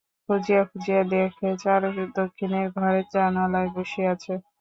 খুঁজিয়া খুঁজিয়া দেখে, চারু দক্ষিণের ঘরের জানালায় বসিয়া আছে।